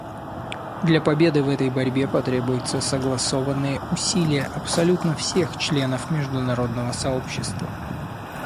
Для победы в этой борьбе потребуются согласованные усилия абсолютно всех членов международного сообщества.